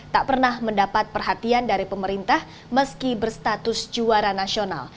tak pernah mendapat perhatian dari pemerintah meski berstatus juara nasional